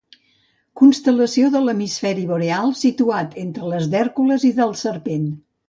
Constel·lació de l’hemisferi boreal, situada entre les d’Hèrcules i del Serpent.